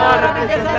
saya ingin menguasai